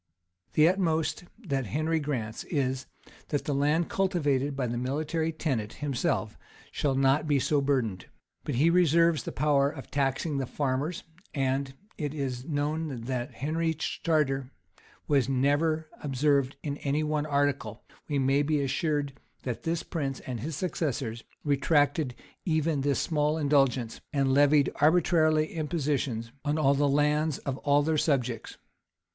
The utmost that Henry grants is, that the land cultivated by the military tenant himself shall not be so burdened; but he reserves the power of taxing the farmers: and as it is known that Henry's charter was never observed in any one article, we may be assured that this prince and his successors retracted even this small indulgence, and levied arbitrary impositions on all the lands of all their subjects.